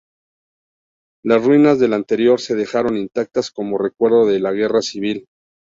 Las ruinas del anterior se dejaron intactas como recuerdo de la Guerra Civil.